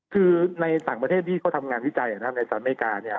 คือในต่างประเทศที่เขาทำงานวิจัยนะครับในสหรัฐอเมริกาเนี่ย